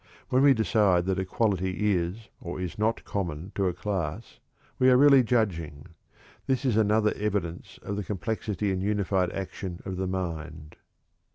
When we decide that a quality is or is not common to a class, we are really judging. This is another evidence of the complexity and unified action of the mind."